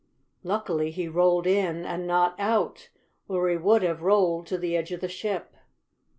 Luckily he rolled in, and not out, or he would have rolled to the edge of the ship.